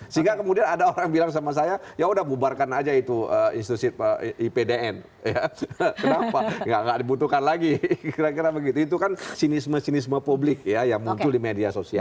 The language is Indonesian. sehingga kemudian ada orang bilang sama saya yaudah bubarkan aja itu institusi ipdn ya kenapa nggak dibutuhkan lagi kira kira begitu itu kan sinisme sinisme publik ya yang muncul di media sosial